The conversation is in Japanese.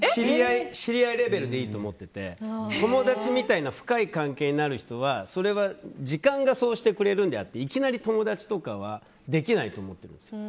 知り合いレベルでいいと思ってて友達みたいな深い関係になる人はそれは時間がそうしてくれるのであっていきなり友達とかはできないと思ってるんですよ。